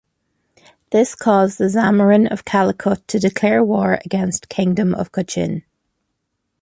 This caused the Zamorin of Calicut to declare war against Kingdom of Cochin.